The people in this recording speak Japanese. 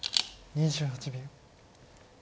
２８秒。